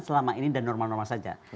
selama ini dan normal normal saja